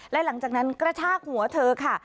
และหลังจากนั้นกระชากหัวเธอค่ะ